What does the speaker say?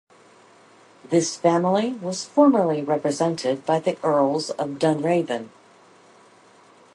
This family was formerly represented by the Earls of Dunraven.